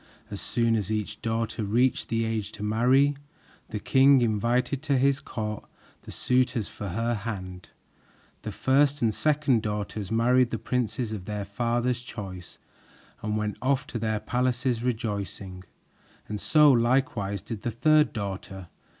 As soon as each daughter reached the age to marry, the king invited to his court the suitors for her hand. The first and second daughters married the princes of their father's choice and went off to their palaces rejoicing, and so likewise did the third daughter.